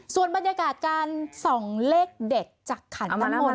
ส่วนบรรยากาศการสองเลขเด็กจากขันตะมง